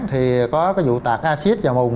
thì có cái vụ tạc acid vào mùng